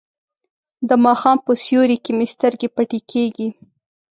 د ماښام په سیوري کې مې سترګې پټې کیږي.